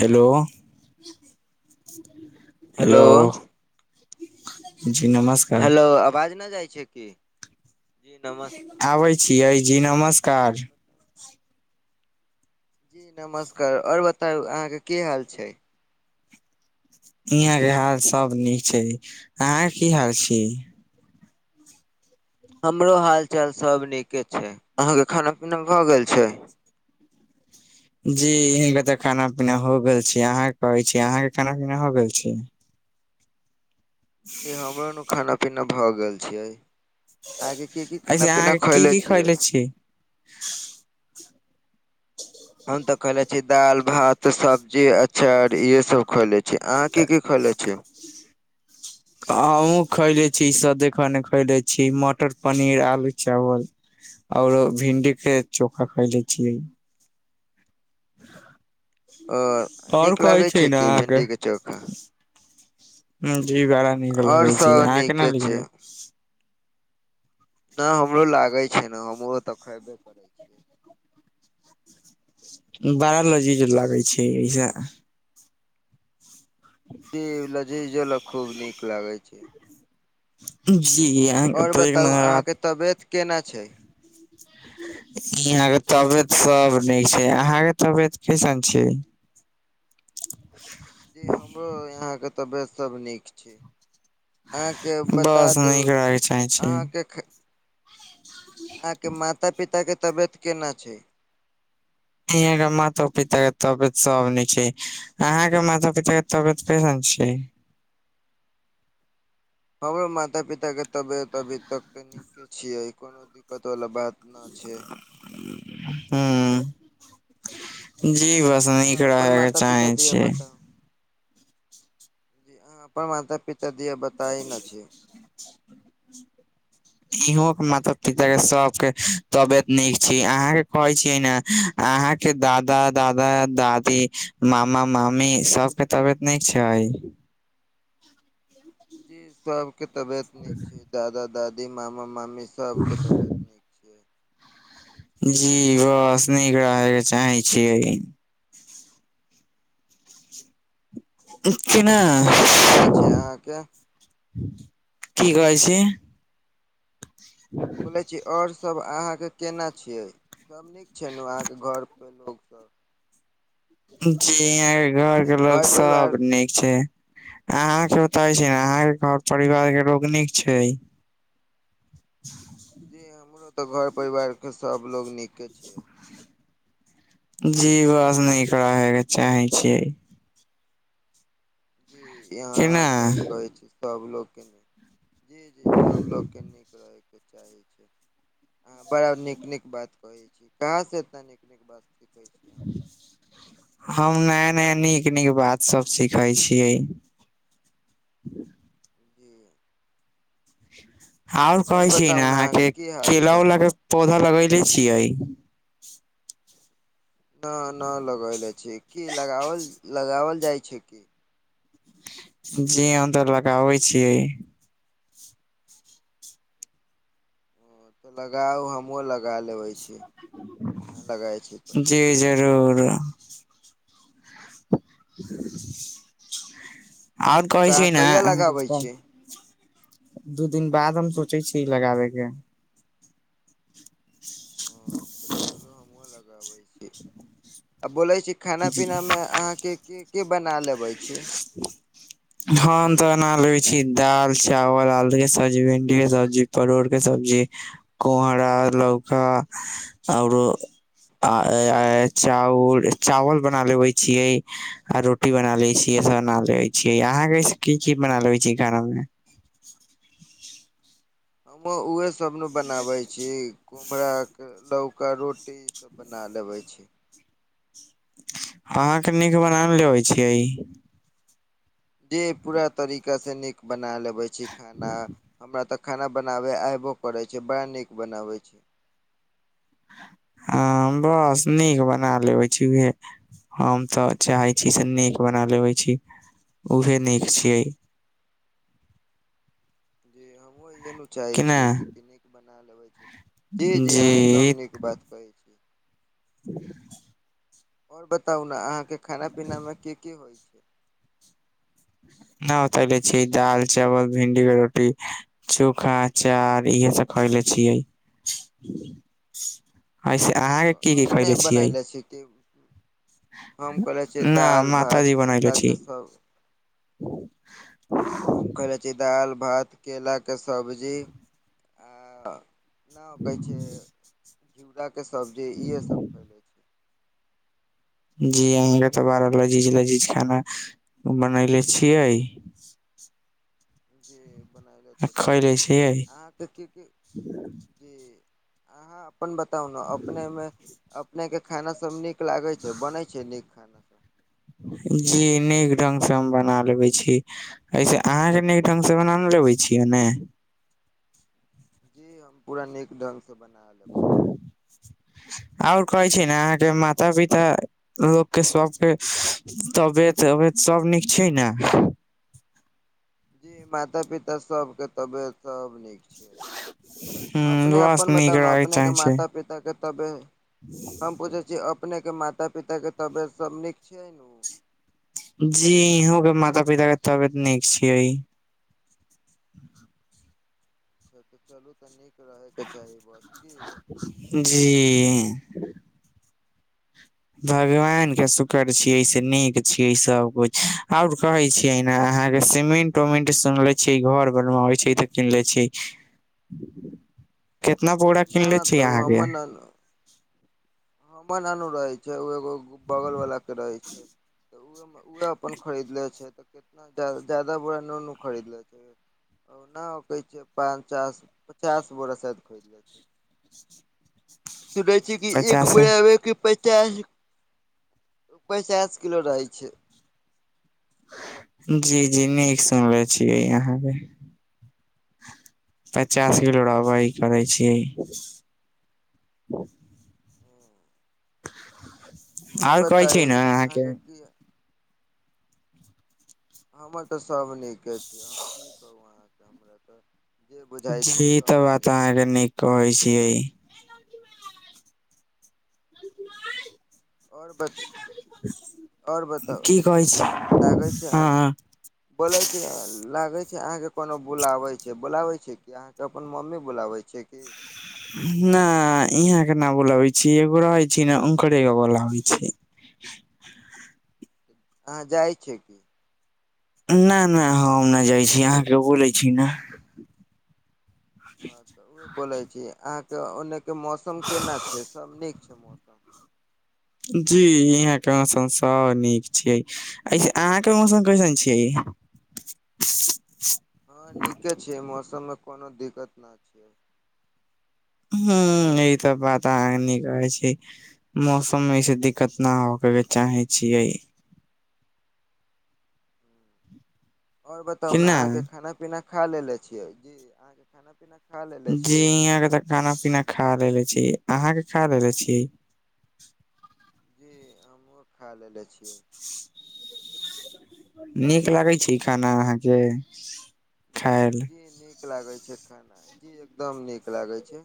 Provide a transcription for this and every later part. Hello, hello जी नमस्क hello, आवाज नै जाइ छै कि? आबै छियै, जी नमस्कार। जी नमस्कार, और बताउ अहाँके कि हाल छै। इहाॅ के हाल सब नीक छै, अहाॅ के की हाल छी। हमरो हाल चाल सब नीके छै, अहां के खाना पीना भए गेल छै। जी इ बेर त खाना पीना हो गेल छै अहाँ के कहे छीै अहाँ के खाना पीना हो गेल छै। जी हमरो ने खाना पीना भ गेल छै। अहाॅ के की की ऐसे खाना अहाँ पीना के की खएले की छियै। खैले छी हम त खैले छी दालि भात सब्जी अचार इहे सब। खैले छी अहाँ कि कि खैले छी। हमहुँ खैले छी सादे खाना खैले छी, मटर पनीर आलू चावल। और भिन्डी के चोखा खैले छियै। ओ आओर नीक लागै छै कि भिण्डी के चोखा। हुॅ जी बड़ा नीक आओर लगै छै, सब अहाॅ केना नीके निक छै लागै छी। ना हमरो लागे छै ने हमरो त खेबे करे छी। बड़ा लजीज लागै छै ऐ ज। जी लजीज वला खूब नीक लागै छै। जी। [unintelligible] आओर पैघ बताउ रात अहाँके तबियत केना छै? यहां के तबियत सब नीक छै अहाॅं के तबियत कैसन छै? जी हमरो यहाँके तबियत सब नीक छै। अहाँके बता बस दूं नीक रहैके चाहे छै अहाँके ख अहाँके माता पिताके तबियत केना छै? यहाँ के माता पिता के तबियत सब निक छै। अहाँ के माता पिता के तबियत कैहन छै? हमरो माता पिता के तबियत अभी तक तऽ नीके छियै कोनो दिक्क त बाला बात न छै। हं जी ब नीक अहाँ अपन रहे के माता चाहें छियै। अहाॅं अपन मात पिता दीया बताई न छी। इहों के माता पिता के सबके तबियत नीक छी अहाँके कहै छियै ने अहाँके दादा, दादा, दादी, मामा, मामी सबके तबियत निक छै? जी सबके तबियत नीक छै दादा, दादी, मामा, मामी सबके तबियत नीक छै। जी बस नीक रहे के चाहे छियै। ठीक छी ना आओर सभ केना छै अहाँके की कहै छी। बोलै छी और स सब अहाँ के केना छियै सब नीक छै नु अहाँ के घर पर लोग सब? जी यहाँ के घर के लोक सब नीक छै। अहाँ के बताबै छी ने अहाँके घर परिवार के लोक नीक छै? [inaudible] जी हमरो तऽ घर परिवार के सब लोग नीके छियै। जी बस निक रहे के चाहे छियै। जी कि यहाँहाँ ने सही कहै छी सभ लोक के जी जी सभ लोकके नीक रहैके चाहै छै। अहाॅं बड़ा नीक नीक बात कहैत छी कहाँसँ एतना नीक नीक बात सीखै छी अहाॅं? हम नया नया नीक नीक बात सब सिखै छियै। जी। और आओर कहे छी ने बताउ अहाँ अहाँके के की हाल केला छै उला के पौधा लगैले छियै? न ना लगैले छी की लगाओल लगाओल जाइ छै की? जी हम तऽ लगाबै छियै। ह तऽ लगाउ हमहुँ लगा लेबै छी अहाॅं लगाई छी त जी जरूर। और कहै अहाँ छी ना कहिया लगाबै छी ओ [unintelligible] दू दिन बाद हम सोचै छि लगाबे के तऽ चलू हमहुँ लगाबै छी। आ बोलै छी खाना जी पीना मे अहाँके की की बना लेबे छी। [inaudible] हम तऽ बना लेबे छी दाल, चावल, आलू के सब्जी, भिंडी के सब्जी परोड़ के सब्जी, कोहरा, लौका औरो आ आ आ चाउर चावल बना लेबे छीयै आ रोटी बना लै छी। ई सब बना लेबे छीयै अहाँ के की की बना लेबे छीयै खाना मे? हमूँ उहे सब नु बनाबैत छी। कोमहरे लौका रोटी ई सब बना लेबै छी। अहाँके नीक बना लेबै छियै‌। डे पूरा तरीकासँ नीक बना लबैत छी खाना। हमरा तऽ खाना बनाबै अबबो करैत छै बड़ा नीक बनाबैत छी। ह बस नीक बना लेबै छीहे। हम तऽ चाहे छी से नीक बना लेबै छी उहे नीक छियै। जी हमूँ इे ने चाहै छीियै नीक नीक बना लेबै छी। जी जी अहाँ एकदम नीक बात कहैत छी। ह। आओर बताउ ने अहाँके खाना पीनामे की की होइत छै। नहि ओ त ल छी दडाल चावल भिंडी के रोटी। चोखा चार इहे सब खयले छियै। [inaudible] अस अहाँके की की कयले छियै। त। न मथा भात जी बनैल छी। केराके सब् हम खयलने छी दालि भात केलाके सब्जी आ। ना कहै छै घिउराके सब्जी इहे सब खैलै छै। जी अह त बारह लजीज लजीज खाना बनले छियै। जी बनयले आ तऽ छियै खैले अहाँके की की। जी अहाँ अपन बताउ ने अपनेमे अपनेके खाना सब नीक। नीक लागे छै बनै छै नीक खाना सब। जी नीक ढंग से हम बना लेबे छी। ऐसे अहाँके नीक ढंग से बना ने लेबै छियै ने। जी हम पूरा नीक ढङंगगसँ बना लबै छी। आओर कहै छै ने अहाँके माता पिता लोकके सबके तबियत उबियत सब नीक छै ने। जी माता पिता सबके तबियत सब नीक छै। छ हूँ, अपने बस अपन नीक बतलहु रहै चाहै अपनेके छै माता पिताके तबे। हम पूछै छी अपनेके माता पिता के तबियत सब नीक छैिय ने ओ। जी इहहों के माता पिता के तबियत नीक छीिय। अच्छा तऽ चलू तऽ नीक रहयके चाही बस की। जी। भगवान के शुक्र छियै से नीक छीियै सब कुछ आओर कहै छी। क अहाँ के सीमेंट उमेंट सुनले छी घर बन मे अबे छै तऽ कनले छी। [inaudible] कितना पो। नहि तऽ ओ हमनल। हमन आानू रहै छै ओ एगो बगलवलाके रहै छै। तऽ ओ उह अपन खरीदले छै तऽ कितना जादा बुरा नुनू खरीदले छै। ओना ओ कहै छै पचास पचास बोरा शायद खोजि जाइ छै। [inaudible] सुनै छै किी एक। पचास कि प पैचास किलो रहै छै। जी जी नीक सुनले छियै यहाँ पे। पचास किलो रहबै ई करै छियै। आओर कहै छै ने अहाँके। हमर तऽ सभ नीके छी हम की कहू अहाँके हमरा तऽ। जे बुझाइ छै जी तऽ सभ बात नीके अहाँके छै नीक कहै छीियै। आओर बत आओर बताउ की कहै छी लागै छै हँ अहाँ। बोले छै लागे छै आहं के कोनो बुलावे छै बुलावे छै क आहं के अपन मम्मी बुलावे छै। जे किी। न इहाँके न बोलाबइ छी एगोरा होइ छी ने ओंकरेगो बला होइ छै। अहाँ जाइ छीियै की। नहि नहि हम नहि जाइ छी अहाँ के बोलै छी ने। बोलै छी अहाँके ओन्नेके मौसम केना छै सभ नीक छै। जी यहाँ केँ मौसम सभ निक छियै। [unintelligible] अहाँके मौसम [unintelligible] छिये [inaudible] हँ निके छै मौसम मे कोनो दिक्कत नहि छै। हूं ई तऽ बात अहाँ केँ निक कहै छी। मौसम मे ऐसे दिक्कत न होई के चाहे छियै। आओर बताउ कि ने ना अहाँ केँ खाना पीना खा लेले छियै कि अहाँ के खाना पीना खा लेने जी यहाँ के तऽ खाना पीना खा लेने छी अहाँ के खा लेने छी। [unintelligible] निक लागै छै खाना अहाँके खायल। जी निक लागै छै खाना जी एकदम निक लागै छै।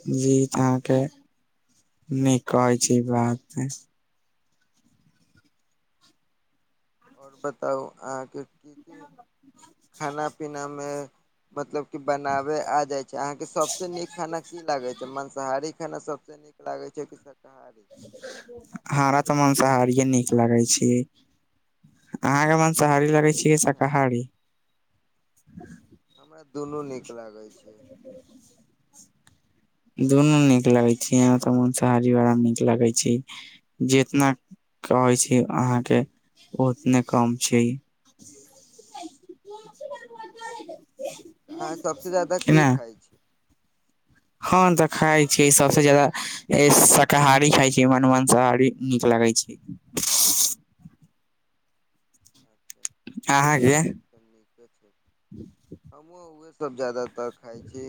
[unintelligible] आओर बताउ अहाँके खाना पीना मे मतलब की बनावे आ अहाँके सबसँ निक खाना की लागै छै मांसाहारी खाना सबसँ निक लागैत छै कि शाकाहारी। हमरा तऽ माँंसाहारिए निक लागै छै। अहाँके माँंसाहारी लगे छै की शाकाहारी। हमरा दुनू नीक लागैत छै। दुनू निक लगै छै मांसाहारी बड़ा निक लगै छै। जितना कहै छी अहाँके उतने कम छै। [inaudible] अहाँ सभसँ जादा की खाइ छी। जी हम ई तऽ खाइ बताउ अहाँ छियै नीके सभसँ कहै जादा छी शाकाहारी खाइ छी मानु मंसाहारी निक लागे छै। अच्छा अहाँके चलू नीके छै हमहूँ उएह सभ जदातर खाइ छी।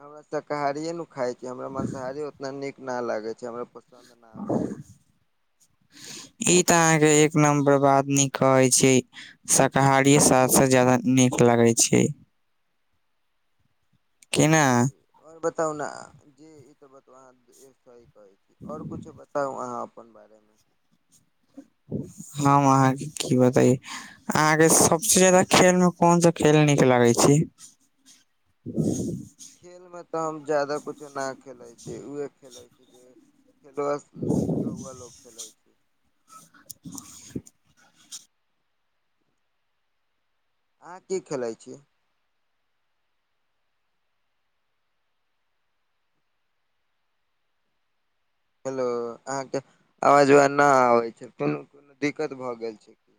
हमरा शाकाहारिए ने खाइ छी हमरा माँसाहारी ओतना नीक न लागै छै हमरा पसन्द नहि आबै छै। ई तऽ अहाँके एक नम्बर बाद न कहे छी। शाकाहारी सबसँ ज्यादा नीक लगै छै। कि नाऽ। जी आओर बताउ ने जे ई त बता अहाँ सही कहे छी और कुछो बता। बताउ अहाँ अपन बारेमे हम अहाँके की बताइये अहाँके सबसँ ज्यादा खेल में कोन सा खेल निक लागे छै। [unintelligible] खेलमे तऽ हम जादा कुछ ना खेलै छी उहे खेलै छी जे जे बस रउआ लोक खेलै छी [unintelligible] अहाँ की खेलाइ छियै? हेलो अहाॅंके अवजवा ना आबै छै, कोनो दिक्कत भऽ गेल छै की